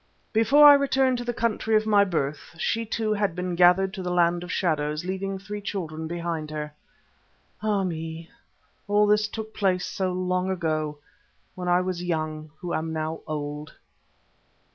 Before I returned to the country of my birth, she too had been gathered to the land of shadows, leaving three children behind her. Ah me! all this took place so long ago, when I was young who now am old.